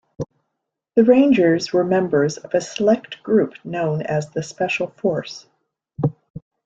The Rangers were members of a select group known as the Special Force.